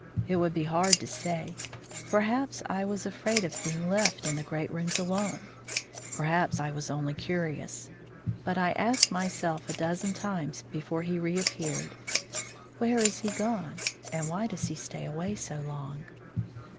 It would be hard to say; perhaps I was afraid of being left in the great rooms alone; perhaps I was only curious; but I asked myself a dozen times before he reappeared, "Where is he gone, and why does he stay away so long?"